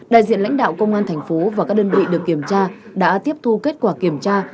đại diện lãnh đạo công an thành phố và các đơn vị được kiểm tra đã tiếp thu kết quả kiểm tra